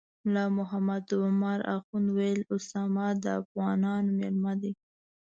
ملا محمد عمر اخند ویل اسامه د افغانانو میلمه دی.